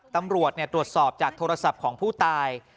ตำรวจตรวจสอบจากโทรศัพท์ของผู้ตาย